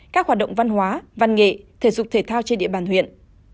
các hoạt động văn hóa văn nghệ thể dục thể thao trên địa bàn huyện